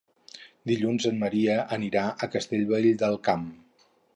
Dilluns en Maria anirà a Castellvell del Camp.